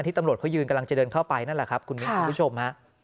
ตำรวจเขายืนกำลังจะเดินเข้าไปนั่นแหละครับคุณมิ้นคุณผู้ชมฮะ